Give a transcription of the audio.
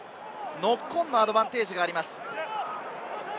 ノックオンのアドバンテージがあります。